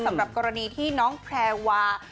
สำหรับกรณีที่น้องแพรวา